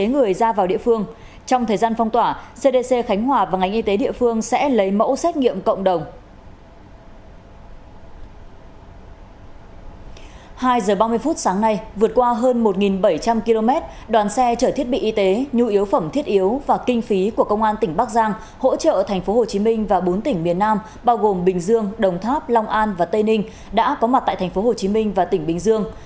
hai giờ ba mươi phút sáng nay vượt qua hơn một bảy trăm linh km đoàn xe chở thiết bị y tế nhu yếu phẩm thiết yếu và kinh phí của công an tỉnh bắc giang hỗ trợ tp hcm và bốn tỉnh miền nam bao gồm bình dương đồng tháp long an và tây ninh đã có mặt tại tp hcm và tỉnh bình dương